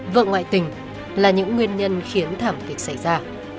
vợ ngoại tình là những nguyên nhân khiến thảm kịch xảy ra